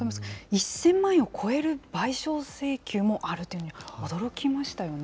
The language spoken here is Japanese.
１０００万円を超える賠償請求もあるということに驚きましたよね。